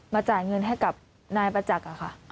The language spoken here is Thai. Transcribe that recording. จ่ายเงินให้กับนายประจักษ์ค่ะ